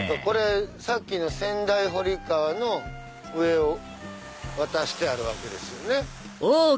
さっきの仙台堀川の上を渡してあるわけですよね。